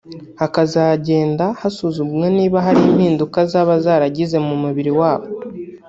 hakazagenda hasuzumwa niba hari impinduka zaba zaragize mu mubiri wabo